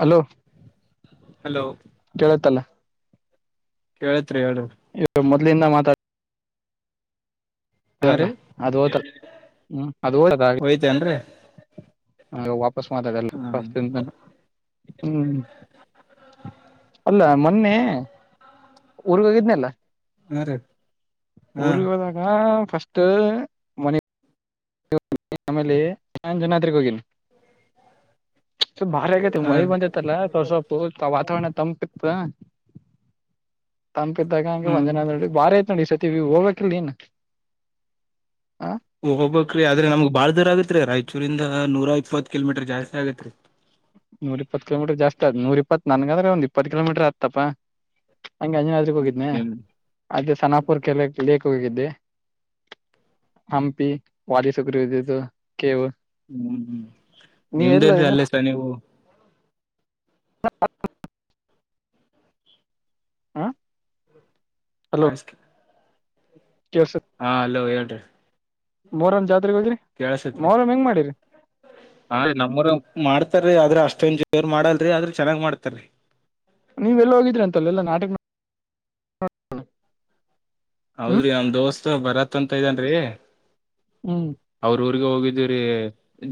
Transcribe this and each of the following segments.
Hello hello ಕೇಳತ್ತಲ್ಲ ಕೇಳ ಇವ ಮೊದಲಿಂದ ಮಾತಾಡ್ ಹಾ ಇಾಗ ರೀ ಅದು ಓದಲ್ಲ ಹ್ಮ ಅದು ಓಡದ ಹಾಗ ಹೋಯ್ತೇನ್ರಿ ಅ ವಾಪಸ್ ಮಾತದೆಲ್ಲಸ್ ಹ ಅಲ್ಲ ಮೊನ್ನೆ ಊರ್ಗೋಗಿದ್ನಲ್ಲ ಹಾ ರೀ ಹಾ ಉರ್ದಾಗ ಫಸ್ಟ್ ಮನ ಆಮೇಲೆ ಆಂಜುನತ್ರಿಗೋಗನ್ ಸ ಭಾರಿ ಆಗೈತಿ ಹಾ ಮಳಿ ರೀ ಬಂದೈತ್ತಲ್ಲಸೊಪು ವಾತಾವರಣ ತಂಪಿತ್ತ ತನ್ಪಿದ್ದಾಗ ಹಂಗೆ ಹ್ಮ್ ಒಂದ್ಜನ ಅ ನ ಬಾರ ಐತ್ ನೋಡಿ ಈ ಸತಿವಿ ಹೋಗ್ಬೇಕಕ್ಲ್ ನೀನ್ ಆ ಮಹಬ್ಬ ಆದ್ರೆ ನಮ್ಗ್ ಬಾಳ್ ದೂರ ಆಗತ್ರಿ ರಾಯಚೂರಿಂದ ನೂರಾ ಇಪ್ಪತ್ ಕಿಲೋಮೀಟರ್ ಜಾಸ್ತಿ ಆಗತ್ರಿ ನೂರ್ ಇಪ್ಪತ್ತು ಕಿಲೋಮೀಟರ್ ಜಾಸ್ತಿ ಆದ್ ನೂರ್ ಇಪ್ಪತ್ ನನ್ಗಂದ್ರೆ ಒಂದ್ ಇಪ್ಪತ್ ಕಿಲೋಮೀಟರ್ ಆತ್ತತಪಾ ಹಂಗೆ ಅಂಜನಾದಿಗೆ ಹ್ಮ್ ಹೋಗಿದ್ದ್ನೆ ಅದೇ ಸನಾಾಪುರ್ ಕೆಲ ಲೇ ಿದ್ದೆ ಹಂಪಿ ವಾಲಿ ಸಗ್ರು ಹ್ಮ್ ನೀ ಎಲ್ಲ ನಿಮ್ದೇಲ್ರಿ ಅಲ್ಲಸ ನೀವು ಹ ಹಾ ಆಯಸ್ಕ ಹಾ ಅಲೋ ಹೇಳ್ರಿ ಮೋರಂ ಜಾತ್ ಕಳ್ಸತ್ರಿ ನಮ್ಮರು ಮಾಡ್ತಾರೀ ಆದ್ರೆ ಅಷ್ಟೊಂ ಜ ಅವ್ ಮಾಡಲ್ರಿ ಆದ್ರೆ ಚೆನ್ನ್ ಮಾಡ್ತಾರೀ ನೀವೆ ಎಲ್ಲ ಹೋಗಿದ್ರಿ ಅಂತಲ್ಲ ಎಲ್ಲ ನಾಟಕ ಹ್ಮ್ ಹೌದ್ರಿ ನಮ ದೋಸ್ತ್ ಬರತ್ ಅಂತ ಇದನ್ರಿ ಹ್ಮ್ ಅವರ ಊರ್ಗೆ ಹೋಗಿದ್ರೀ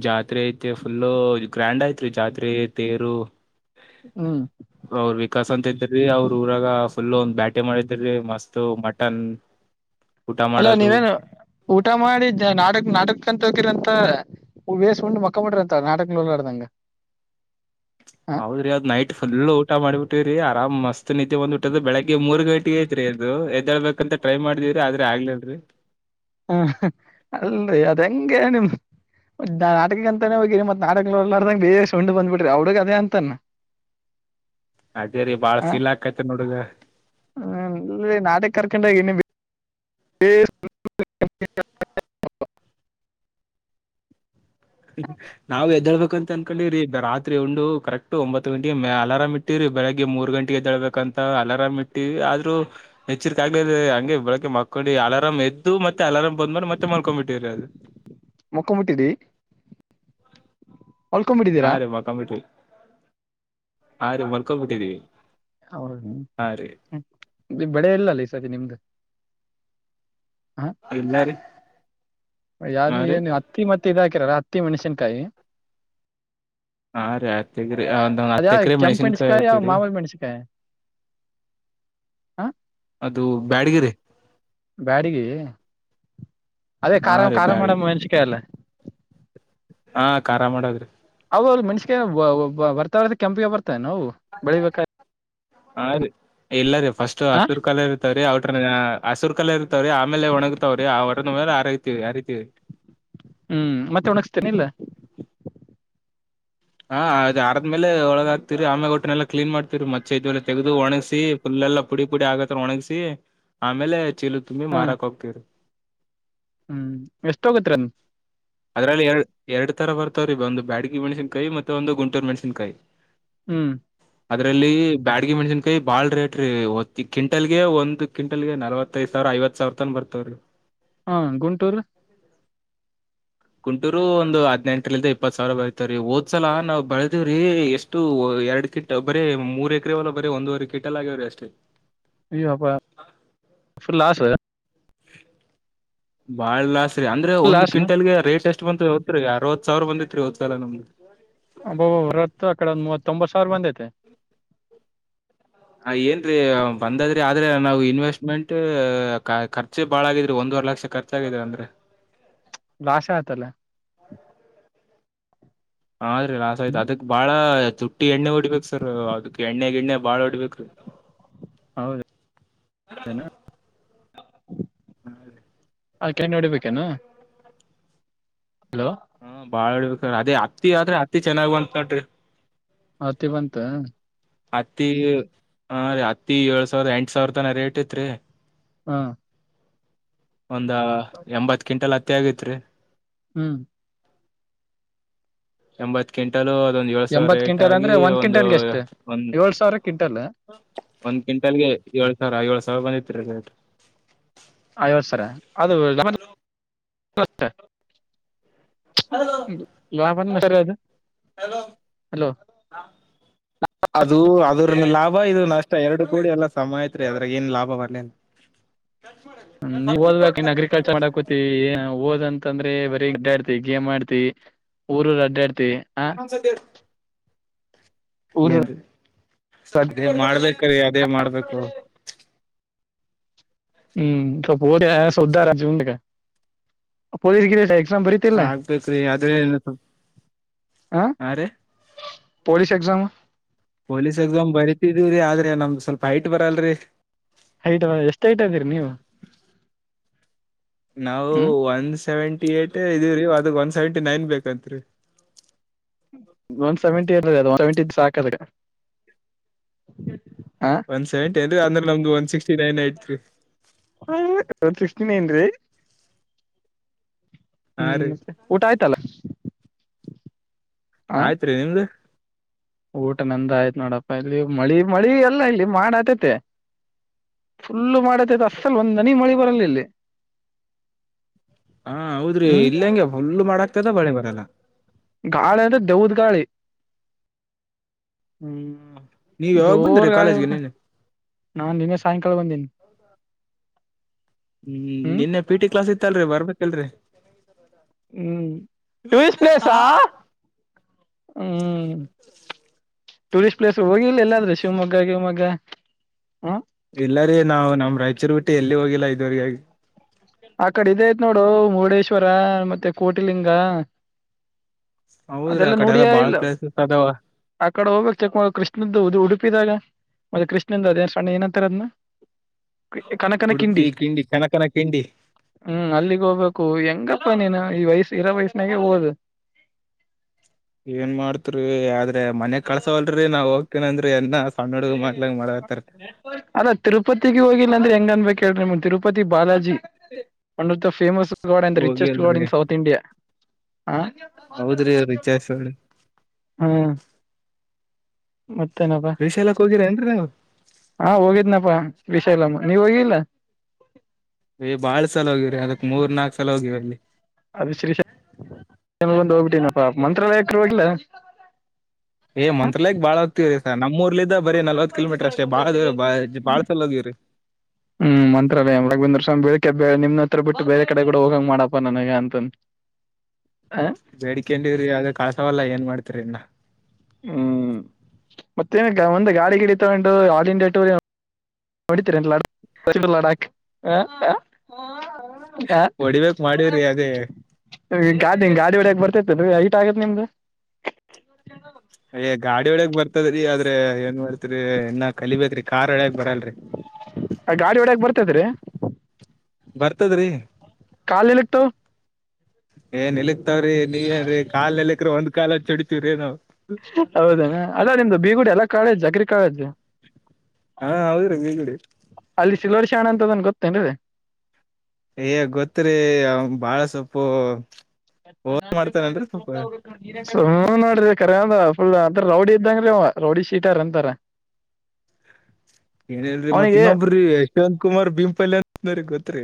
ಜಾತ್ರೆ ಐತಿ ಫುಲ್ಲು ಗ್ರ್ಯಾಂಡ್ ಐತ್ರಿ ಜಾತ್ರೆ ತೇರು ಹ ಹ್ಮ್ ಅವ್ರ ವಿಕಾಸ್ ಅಂತ ಇದ್ರಿ ಅವ್ರ ಊರಾಗ ಫುಲ್ ಒಂದ್ ಬ್ಯಾಟಿಂಗ ಮಾಡಿದ್ರೀ ಮಸ್ತ್ ಮ ತನ್ ಅಲ್ಲ ನೀವೇನು ಊಟ ಮಾಡಿ ನಾಟಕ್ ನಾಟಕ ಅಂತ ಹಕಿರಂತ ವೇಸಿಕೊಂಡು ಮಕ್ಕ ಮಟ ಅಂತ ನಾಟಕ ಉಳ್ಳಾಡ್ದಂಗ ಹೌದ್ರಿ ಅದ್ ನೈಟ್ ಫುಲ್ ಊಟ ಮಾಡಿಬಿಟ್ಟಿ್ರರಿ ಆರಾಮ್ ಮಸ್ತ್ ನಿತ್ಯ ಬಂದ ಊಟದ ಬೆಳಗ್ಗೆ ಮೂರ್ ಗಂಟೆ ಐತ್ರಿ ಇದು ಎದ್ದೇಳ್ಬೇಕಂತ ಟ್ರೈ ಮಾಡಿದಿವವ್ರರಿೀ ಆದ್ರೆ ಆಗ್ಲಿಲ್ರರಿ ಹ ಅಲ್ರಿ ಅದ ಹೆಂಗಗೆ ನಿಮ ಮ ನಾಟಕ ಅಂತಾನೇ ಹೋಗಿರಿ ಮತ್ ನಾಟಕಾರದಂಗ ಬೇರೆ ಉಂಡ್ ಬಂದ್ಬ ಬಿಟ್ರಿ ಅವ್ಡಗ್ ಅ ಅಂತಾನ [inaudible] ಅದೇ ರೀ ಬಾಳ ಹ ಶೀಲಾಕೈತಿ ನೋಡ್ಗ ಕಕಂಡಗ [inaudible] ನಾ್ ಎದ್ದೇಳ್ಬೇಕಂತ ಅನ್ಕೊಂಡಿ್ರೀ ರಾತ್ರಿ ಉಂದು ಕರೆಕ್ಟ್ ಒಂಬತ್ತ್ತು ಗಂಟೆಗೆ ಅಲಾರಾಮ್ ಇಟ್ಟಿರಿರಿ ಬೆಳಗ್ಗೆ ಮೂರ್ ಗಂಟೆಗೆದಳ್ಬೇಕಂತ ಅಲಾರಾಮ್ ಇಟ್ಟೀವಿ ಆದ್ರೂ ಹೆಚ್ಚರ್ಕ ಆಗ್ ಹಂಗೆ ಬೆಳಗ್ಗೆ ಮಕ್ಳ ಹಾಕೊಂಡಿ ಅಲಾರಂ ಎದ್ದ ಮತ್ತ ಅಲಾರಾಮ್ ಬಂದ್ ಮಾರ ಮತ್ತೆ ಮಾಡ್ಕೊಂಡ್ ಬಿಟ್ಟಿವವ್ರರಿ ಅದು ಮಕ್ಕೊಂಬಿಟ್ಟಿದಿ ಆ ಹೊಲ್ಕೊಂಡ್ಬಿಟ್ಟಿದ್ದೀರಾ ರ ಬಕೊ್ಬಿಟ್ಟಿ ಆ ರ ಹೊರ್ಕೊ್ಬಿಟ್ಟಿದ್ದೀವಿ [unintelligible] ಬೆಳೆ ಇಲ್ಲಲ್ಲ ಈ ಸತಿ ನಿಮ್ದ ಎಲ್ಲಾರ ಯಾವ್ದ ಹತ್ತಿ ಮತ್ತೆ ಇದ ಹಾಕಿರಾರ ಹತ್ತಿ ಮೆಣ್ಸಿನ್ಕಾಯಿ ಹಾ ರೀ ಹತ್ತ ಎಕ್ರಿ ಒಂದ ಒಂದ್ ಹತ್ತ ಅದ್ಯಾ ಎಕ್ರ ಕೆಂಪ್ ಮೆಣ್ಸಿನ್ಕಾಯಿ ಮೆಣಸಕಾಯಿ ಯಾವ ಹಾಕಿರಿ [inaudible] ಮಾಮೂಲಿ ಹಾ ಅದು ಬ್ಯಾಡಗಿರೆ ಬ್ಯಾಡಿಗೆ ಅದೇ ಹಾ ಖಾರ ರೀ ಖಾರ ಬ್ಯಾಡಗಿ ಮಾಡಮ್ಮ ಮೆಂಸಿಕಾಯ ಅಲ್ಲ ಹಾ ಖಾರಾಮ ಮಾಡೋದ್ರಿ ಅವ ಮನಷಗೆ ಬರ್ತರ್ ಕೆಂಪಿಗೆ ಬರ್ತ ಹಾ ರೀ ಎಲ್ಲ ರೀ ಫಸ್ಟ್ ಹ ಹತ್ತರ್ ಕಾಲ ಇರ್ತವ್ರೀ ಅವ್ರ ಹಸುರು ಕಲ್ಲ ಇರ್ತಾವ್ರೀ ಆಮೇಲೆ ಒಣಗತಾವ್ರೀ ಆ ಹೊರದ ಮೇಲೆ ಅರತಿವಿ ಅರಿತಿವಿ ಹ್ಮ್ ಮತ್ತೆ ಒಣಗಸ್ತೇನೆ ಇಲ್ಲ ಹಾ ಅದ ಅದ್ಮೇಲೆ ಒಳಗಾಗಕ್ತಿವರಿ ಆಮೆ ಒಟ್ಟನೆೆಲ್ಲ ಕ್ಲೀನ್ ಮಾಡ್ತವರಿ ಮಚ್ಚೆ ಇದ್ಲ್ಲ ತೆಗೆದು ಒಣಸಿು ಲ್ಲೆಲ್ಲಾ ಪುಡಿ ಪುಡಿ ಆಗತ್ತತ್ರ ಒಣಗಸಿ ಆಮೇಲೆ ಚೀಲು ತುಂಬಿ ಹ ಮಾರಾಕ್ ಹೋಗ್ತರಿ ಹ್ಮ್ ಎಷ್ಟ ಹೋಗತ್ರರಿನ್ ಅದ್ರಲ್ಲಿ ಎರ ಎರಡ್ ತರ ಬರ್ತವ್ರೀ ಒಂದು ಬ್ಯಾಡಿಗೆ ಮೆಣಸಿನ್ಕಾಯಿ ಮತ್ತೆ ಒಂದು ಗಂಟೂರು ಮೆಣಸನ್ಕಾಯಿ ಹ್ಮ್ ಅದ್ರಲ್ಲಿ ಬ್ಯಾಡಗ ಮೆಣಸನ್ಕಾಯಿ ಬಾಳ ರೇಟ್ ರೀ ಕ್ವಿಂಟಲ್ ಗೆ ಒಂದು ಕ್ವಿಂಟಲ್ ಗೆ ನಲವತ್ತೈಐದು ಸಾವಿರ ಐವತ್ ಸಾವರ್ ತನ್ ಬರ್ತವ್ರೀ ಹಾ ಗುಂಟೂರ್ ಕುಂಟೂರು ಒಂದು್ ಹದ್ನೆಂಟರಿಂದ ಇಪ್ಪತ್ ಸಾವಿರ ಬಳತವ್ರೀ ಹಓದ್ಸಲಾ ನಾವ್ ಬೆಳದವ್ರಿ ಎಷ್ಟು ಎರಡ್ ಕಿಟ್ ಬರೀ ಮೂರ್ ಎಕರೆವಲ್ಲ ಬರೀ ಒಂದುವವರೆ ಕಿಟ್ ಎಲ್ಲ ಆಗ್ಯವ್ರೀ ಅಷ್ಟೇ ಇ ಅಬ ಲಾಸ್ವ ಬಾಳ್ ಲಸ ರಿ ಅಂದ್ರೆ ಫುಲ್ ಒಂದು ಲಾಸ್ ಕ್ವಿಂಟಲ್ ಗೆ ರೇಟ್ ಎಷ್ಟ ಷ್ಟ ಬ ಹದತ್ರಿ ಅವತ್ ಸಾವಿರ ಬಂದಿತ್ರಿ ಹೋದ್ ಕಾಲ ನಮ್ದಗೆ ಅಬ್ಬಬ ಹೊರತ್ ಅಕಡೆ ಮೂವತ್ತೊಂಬ ಸಾವಿರ ಬಂದೈತೆ ಹ ಏನ್ರೀ ಬಂದದ್ರಿ ಆದ್ರೆ ನಾವು ಇನ್ವೆಸ್ಟ್ಮೆಂಟ್ ಖರ್ಚೆ ಬಾಳ ಆಗಿದ್ರಿ ಒಂದುವರೆ ಲಕ್ಷ ಲಕ್ಷ ಖರ್ಚಾಗಿದೆ ಅಂದ್ರೆ ಲಾಶ ಆಯತಲ್ಲ ಹ್ರೀ ಲಾಸ್ ಆಯ್ತು ಅದಕ್ ಬಾಳ ತುಟ್ಟಿ ಎಣ್ಣೆ ಹೊಡ್ಬೇಕು ಸರ್ ಅದಕ್ ಎಣ್ಣೆ ಗಿಣ್ಣೆ ಬಾಳ ಹೊಡ್ಬೇಕ್ರೀ [unintelligible] ಹೌದು ಅನಾ ಹ್ಮ ಆಕ ನೋಡಿಬೇಕೇನು ಹಲೋ ಹ್ಮ ಬಾಳ್ಬೇಕ ಅದೇ ಹತ್ತಿ ಆದ್ರೆ ಹತ್ತಿ ಚೆನ್ನಾಗುವಂತ ನೋಡ್ರಿ ಹತಿ ಬಂತ ಹತ್ತಿ ಹ ರೀ ಹತ್ತಿ ಏಳ್ ಸಾವಿರದ ಎಂಟ ಸಾವಿರ ತನ ರೇಟ್ ಐತ್ರಿ ಹಾ [unintelligible] ಒಂದ ಎಂಬತ್ ಕ್ವಿಂಟಲ್ ಹತ್ತಿ ಆಗೈತ್ೀ ಹ್ಮ್ ಎಂಬತ್ ಕೆಂಟಲ್ ೊಂದ್ ಏಳ ಸಾವಿರ ಎಂಬತ್ ರಏಟ್ ಕ್ವಿಂಟಲ್ ಆಗಿ ಅಂದ್ರೆ ಒಂದ್ ಒಂದು ಕ್ವಿಂಟಲ್ಗೆ ಎಷ್ಟು ಒಂದು ಏಳ್ ಸಾವಿರ ಕ್ವಿಂಟಲ್ ಒಂದ್ ಕ್ವಿಂಟಲ್ಗೆ ಏಳ್ು ಸಾವಿರ ಏಳು ಸಾವಿರ ಬಂದಿತ್ ರೀ ರೇಟ್ ಲಪಸದು ಅದು ಅದು ಲಾಭ ಇದು ನಷ್ಟ ಎರಡು ಕೋಡಿ ಎಲ್ಲ ಸಮ ಐತ್ ರೀ ಅದ್ರಾಗ ಏನ್ ಲಾಭ ಬರ್ಲಿಿಲ್ಲ ನೀ್ ಓದಬೇಕಕ್ ಇನ್ ಅ್ರಿಕಲ್ಚರ್ ಮಾಡಕ್ ಕೋತತಿವಿ ಓದ್ ಅಂದ್ರೆ ಬರೀ ಗಿಡಾ ಇಡ್ತಿಗ ಗೇಮ್ ಆಡ್ತಿವಿ ಊರು ರಡ್ಡ ಆಡ್ತಿ ಆ ಇ ಹನ್ಸತ ಊರು ಏನ್ ಅದೇ ಮಾಡ್ಬೇಕ್ರೀ ಅದೇ ಮಾಡ್ಬೇಕು ಹ್ಮ್ ಸೋದ ಸುದ್ದಾರುದ ಆಗ್ಬೇಕ್ರೀ ಅದ ಹ ರೀ ಪೊಲೀಸ್್ ಎಕ್ಸಾಮ್ ಪೊಲೀಸ್ ಎಕ್ಸಾಮ್ ಬರಿತಿದೀವ್ರೀ ಆದ್ರೆ ನಮ್ದ್ ಸ್ವಲ್ಪ ಐಟ್ ಬರಲ್ರರಿ ಐಟ್ ಎಷ್ಟ ಐಟ್ ಅದೀರಿ ನೀವು ನಾವು ಹ್ಮ್ ಒನ್ ಸೆವೆಂಟಿ ಿ ಏ ಇದೀೀ ಅದ್ ಒನ್ ಸೆವೆಂಟಿ ನೈನ್ ಬೇಕತ್ರಿ ಒನ್ ಸೆವೆಂಟಿ ಅ ಒ ಸೆವೆಂಟಿ ಸಾಕದ ಒನ್ ಸೆವೆಂಟಿ ಅಏ್ರರಿ ಅಂದ್ರೆ ನಮ್ದು ಒನ್ ಸಿಕ್ಸ್ಟಿ ನೈನ್ ಐತ್ರಿ ಹ ಸಿಸಿನ ಏನ್ರಿ ಹಾ ಹ್ಮ್ ರೀ ಮತ್ತೆ ಊಟ ಆಯ್ತಲ್ಲ ಆ ಆಯ್ತ್ರಿೀ ನಿಮ್ದು ಊಟ ನಂದ ಆಯ್ತ್ ನೋಡಪ್ಪ ಇಲ್ಲಿ ಮಳಿ ಮಳಿ ಎಲ್ಲ ಇಲ್ಲಿ ಮಾಡ ಅತೇತೆ ಫುಲ್ಲು ಮಾಡದದು ಅಸಲ್ ಒಂದ್ನ ಮಳಿ ಬರಲ್ಲ ಇಲ್ಲಿ ಹಾ ಹೌದ್ರಿ ಹ್ಮ್ ಇಲ್ಲಂಗೆ ಫುಲ್ಲು ಮಾಡಾಕ್ತದ ಬಳೆ ಬರಲ್ಲ ಗಾಳಿ ಅಂದ್ರೆ ದೌದ ಗಾಳಿ ಹ್ಮ್ ನೀವ್ ಯಾವಾಗ ದೋರ್ ಬಂದ್ರಿ ಗಾಳಿ ಕಾಲೇಜ್ಗೆ ಉರ್್ದ ನಿನ್ನೆ ನಾನ್ ನಿನ್ನೆ ಸಾಯಂಕಾಲ ಬಂದೇನಿ ಹ್ಮ್ ಇನ್ನೆ ಪಿ ಟಿ ಕ್ಲಾಸ್ ಇತ್ತಲ್ರಿ ಬರ್ಬೇಕಲ್ರರಿ ಹ್ಮ್ ಟೂರಿಸ್ಟ್ ಪ್ಲೇಸಾ ಹ್ಮ್ ಟೂರಿಸ್ಟ್ ಪ್ಲೇಸ್ ಹೋಗಿಿಲ್ಲ ಎಲ್ಲಾದ್ರೆ ಶಿವಮೊಗ್ಗ ಶಿವಮೊಗ್ಗ ಇಲ್ಲಾರಿೀ ನಾವು ನಮ್ ರಾಯಚೂರು ಬಿಟ್ಟಿ ಎಲ್ಲಿ ಹೋಗಿಲ್ಲಾ ಇದುವರೆಗಾಗಿ ಆ ಕಡೆ ಇದ ಆಐ್ತ್ ನೋಡು ಮುರುಡೇಶ್ವರ ಮತ್ತೆ ಕೋಟಿಲಿಂಗ ಹೌದ್ರಿ ಆ ಅದೆಲ್ಲಾ ಕಡೆ ಎಲ್ಲ ನೋಡಿಯ ಬಾಳ ಇಲ್ಲ ಪ್ಲೇಸಸ್ ಅದಾವ ಆ ಕಡೆ ಹೋಗ್ಬೇಕಕ್ ಚಕ್ಮ ಕೃಷ್ಣದ್ದ ಉಡುಪಿದಾಗ ಮತ್ತೆ ಕೃಷ್ಣಿಂದ ಅದೇ ಸಣ್ಣ ಏನಂತಾರೆ ಅದ್ನ್ನ ಕನಕನ ಕಿಂಡಿ ಉಡುಪಿ ಕನಕನ ಕಿಂಡಿ ಹ್ಮ್ ಅಲ್ಲಿಗ್ ಹೋಗ್ಬೇಕು ಹೆಂಗ ಪ್ಪ ನೀನು ಈ ವಯಸ್ಸ ಇರೋ ವಯಸ್ಸಿನಾಗೆ ಹೋದು ಏನ್ ಮಾಡ್ತ್ರಿ ಆದ್ರೆ ಮನೆಗ್ ಕಳ್ಸವಲ್ರಿ ನಾವ್ ಹೋಗ್ತನ ಅಂದ್ರಿ ಎನ್ ಅದ ತಿರುಪತಿಗೆ ಹೋಗಿಲ್ಲ ಅಂದ್ರೆ ಹೆಂಗ ಅನ್ಬೇಕು ಕೇಳ್ರ ತಿರುಪತಿ ಬಾಲಾಜಿ ಒಂದ ಫೇಮಸ್ ಗಾಡ್ ಅಂದ್ ರಿಚೆಸ್ಟ್ ಗಾಡ್ ಹೋಗಿಲ್ರಿ ಇನ್ ಸೌತ್ ಇಂಡಿಯಾ ಹ ಹೌದ್ರಿ ರಿಚೇಶ್ವಳ ಹ್ಮ್ ಮತ್ತೇನಪ್ಪಾ ವಿಷ ಎಲ್ಲಕ್ ಹೋಗಿರ ಏನ್ರೀ ನಾವು ಹಾ ಹೋಗಿದ್ನಪ್ಪಾ ವಿಶಾಲಮ್ಮ ನೀವ್ ಹೋಗಿಲ್ಲ ಬಾಳ್ ಸಲ ಹೋಗಿವವ್ರಿ ಅದಕ್ ಮೂರ್ ನಾಕ್ ಸಲ ಹೋಗಿವ ಅಲ್ಲಿ ಅದು ಶ್ರೀ ಹೋಗ್ಬಿಟ್ಟನಪ್ಪಾ ಮಂತ್ರಾಲಯಕರು ಹೋಗಿಲ್ಲ ಏ ಮಂತ್ರಾಲಯಗ ಬಾಳ ಹ ಆಗ್ತಿವರಿ ಸ ನಮ್ಮೂರ್ಲಿ ಇದ್ದಾಗ ಬರೀ ನಲ್ವತ್ ಕಿಲೋಮೀಟರ್ ಅಷ್ಟೇ ಬಾಳ ದೂರ ಬಾಳಸಲ್ ಹೋಗೀವರಿ ಹ್ಮ್ ಮಂತ್ರಾಲಯ ರಾಘವೇಂದ್ರ ಸ್ವಾಮಿ ಬೆಳಿಗ್ಗೆ ನಿನ್ನ ಹತ್ರ ಬಿಟ್ಟು ಬೇರೆ ಕಡೆ ಕೂಡ ಹೋಗಂಗ್ ಮಾಡಪ್ಪಾ ನನಗೆ ಅಂತ ಅಂದ ಬೇಡಿಕೆಂಡವಿರೀ ಅದೇ ಕರಕವಲ ಏನ ಮಾಡ್ತೀರಿ ಇನ್ ಮಾಡ್ತರಿ ಇನ್ನ ಹ್ಮ್ ಮತ್ತೇನ ಮುಂದ ಗಾಡಿ ಗಿಡ ತಗೊಂಡು ಆಲ್ ಇಂಡಿಯಾ ಟೂರಯನ ವಡಿತರ ಏನ ಲಡಾಕಾ ಲಡಾಕ್ ಹ ಹ ಹೊಡಿಬೇಕ್ ಮಾಡವ್ರಿ ಅದೇ. ಈ ಗಾಡಿ ಗಾಡಿ ಒಡೆಕಗ ಬರ್ತೇತಿ ಹೈಟ್ ಆಗೇದ ನಿಮಗ ಯ ಗಾಡಿ ಒಡೆಕ ಬರ್ತದ್ರೀ ಆದ್ರೆ ಏನ್ ಮಾಡತ್ರಿ ಇನ್ನ ಕಲಿಬೇಕೇತ್ರಿ ಕಾರ್ ಒಡೆಕ್ ಬರಲ್ರರಿ. [inaudible] ಗಾಡಿ ಒಡೆಕ್ ಬರ್ತದ್ರಿ ಬರ್ತದ್ರಿ ಕಾಲಲಿಟ್ಟು. ಏನ್ ನಿಲಿಕ್ತಾವ್ರೀ ನೀ ಏನ್ರೀ ಕಾಲನೀಲಕ್ರ ಒಂದ್ ಕಾಲ ಅಚಿ ಒಡಿತವ್ರೀ ನಾವು ಹೌದ ಅನು ಅದೇ ನಿಮ್ದ ಬೀಗುಡಿ ಅಲ್ಲಾ ಕಾಲೆಜ್ ಅಗ್ರಿ ಕಾಲೆಜು ಹಾ ಹೌದುರಿ ಭೀಗುಡಿ ಕಿಲಾಡಿ ಶಾಣ ಅಂತ ಅದನ ಗೊತ್ತ ಅನಾರಿ ಏ ಗೊತ್ತ್ರರಿ ಅವನು ಬಾಳ ಸೊಪು [inaudible] ಕರೆಂದ್ರ ಫುಲ್ ಅಂದ್ರ ರೌಡಿ ಇದ್ದಂಗ ರಿ ರೌಡಿ ಶೀಟಾರ ಅಂತಾರ ಏನ್ಲ್ರರಿ ಮತ್ ಅವನಿಗೆ ಇನ್ನೊಬ್ಬ್ರೀ ಯಶವಂತ್ ಕುಮಾರ್ ಬಿಪಲ್ಯಾ ಅಂತ ಗೊತ್ರಿ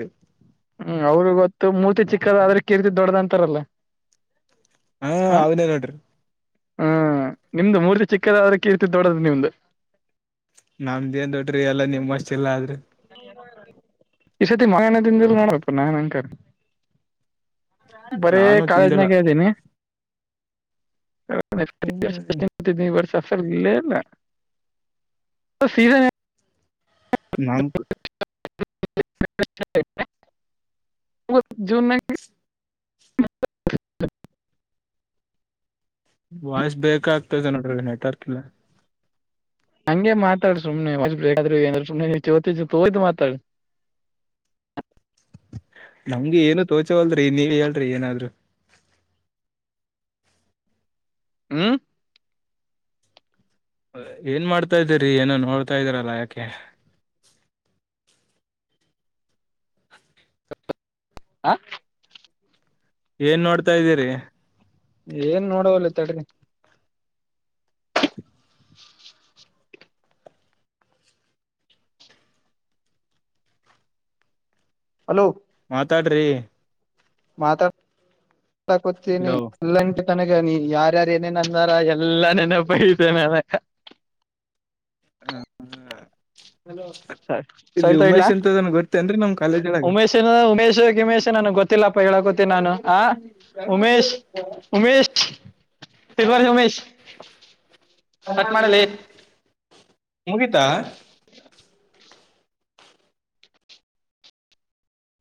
ಹ್ಮ್ ಅವ್ರ ಗೊತ್ತು ಮೂರ್ತಿ ಚಿಕ್ಕದ ಆದ್ರೆ ಕೀರ್ತಿ ದೊಡ್ಡದ ಅಂತಾರಲ್ಲ. ಹ ಅವನೇ ನೋಡ್ರಿ. ಹ್ಮ್ ನಿಮ್ದು ಮೂರ್ತಿ ಚಿಕ್ಕದಾದರು ಕೀರ್ತಿ ದೊಡ್ಡದು ನಿಮ್ದು ನಂದ ಏನ್ ದೊಡ್ರಿ ಎಲ್ಲಾ ನಿಮ್ ವಾಸ್ಟ ಇಲ್ಲ ಆಲಾರಿ ಈ ಸತೆ ಮಣಿಹಣ್ಣೂ ನೋಡ ಪ ನಾ ನ್ಂಕಾರ ಬರೇ ನಾನು ತಿಂದಿಲ್ಲ ಕಾಲೆಜಿನಗ ಇದೀನಿ [inaudible] ಹ್ಮ್ ಹೆಸರಿಲ್ಲ ಏನ ಸಿದ ಹೇಳ ನಾನ್ಕು [inaudible] [inaudible] ವಾಯ್ಸ್ ಬ್ರೇಕ ಆಗ್ತದೆ ನೋಡ್ರಿ ನೆಟ್ವರ್ಕ್ ಇಲ್ಲ ಹಂಗೆ ಮಾತಾಡು ಸುಮ್ನೆ ವಾಯ್ಸ್ ಬ್ರೆಕದಾರು [unintelligible] ಮಾತಾಡ್ [inaudible] ನಮ್ಗೆ ಏನು ತೋಚವಲ್ರಿ ನೀವೆ ಹೇಳ್ರಿ ಏನಾದ್ರು ಹ್ಮ ಏನ್ ಮಾಡ್ತಾ ಇದೀರಿ ಏನೋ ನೋಡ್ತಾ ಇದ್ದೀರಲ್ಲ ಯಾಕೆ ಹಾ ಏನ್ ನೋಡ್ತಾ ಇದ್ದೀರಿ. ಏನ್ ನೋಡದರು ತಡಿರಿ [inaudible] ಹಲೋ. ಮಾತಾಡ್ರಿ. ಮಾತಾಡ್ತಾ ಕುಂತೀನಿ ಹಲೋ [unintelligible] ನನಗ ನೀ ಯಾರ್ಯಾರು ಏನೇನ್ ಅಂದಾರ ಎಲ್ಲ ನೆನಪ ಐತೇ ನನಗ ಹ ಹ್ಮ ಸರಿ ಸರಿತ ಇಡ್ಲಾ ಗೊತ್ತೇನ್ರಿ ನಮ್ ಕಾಲೇಜ್ ಒಳಗ ಉಮೇಶ್ -ಉಮೇಶ್ ಗಿಮೇಶ್ ನನಗೊ ಗೊತ್ತಿಲ್ಲಪ್ಪ ಹೇಳಕೊತಿನೀ ನಾನು ಆ ಉಮೇಶ್- ಉಮೇಶ್. [unintelligible] ಉಮೇಶ್ ಕಟ್ ಮಾಡಲೇ [inaudible] ಮುಗಿತಾ